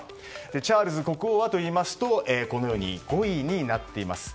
チャールズ国王はといいますと５位になっています。